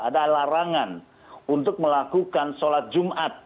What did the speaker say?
ada larangan untuk melakukan sholat jumat